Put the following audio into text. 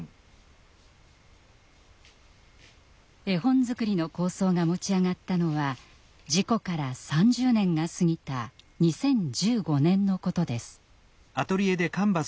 絵本作りの構想が持ち上がったのは事故から３０年が過ぎた２０１５年のことです。